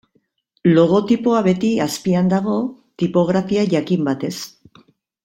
Logotipoa beti azpian dago, tipografia jakin batez.